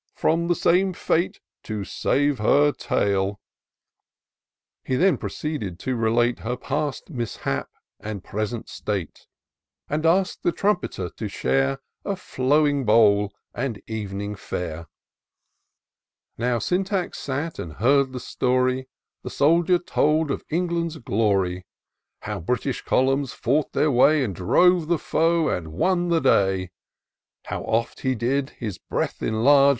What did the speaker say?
From the same fate to save her tail." He then proceeded to relate Her past mishap and present state ; And ask'd the Trumpeter to share A flowing bowl and ev'ning fare* Now Syntax sat and heard the story The soldier told of England's glory; TOUR OF DOCTOR SYNTAX How British columns fought their way, And drove the foe^ and won the day : How oft he did his breath enlarge.